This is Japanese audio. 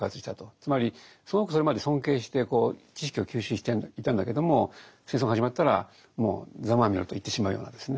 つまりすごくそれまで尊敬して知識を吸収していたんだけども戦争が始まったらもうざまあみろと言ってしまうようなですね。